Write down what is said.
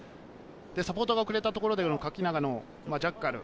サポートが遅れたところで垣永のジャッカル。